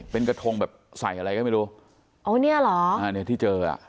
เป็นกระทงแบบใส่อะไรก็ไม่รู้อ๋อเนี้ยเหรออ่าเนี้ยที่เจออ่ะ